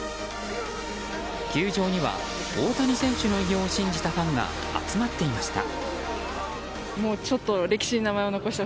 球場には大谷選手の偉業を信じたファンが集まっていました。